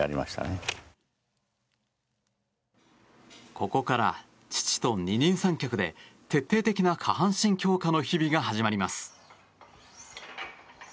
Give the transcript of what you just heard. ここから父と二人三脚で徹底的な下半身強化の日々が始まります。